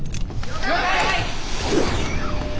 了解！